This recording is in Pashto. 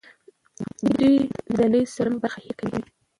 دوی به د نړۍ څلورمه برخه هېر کوي.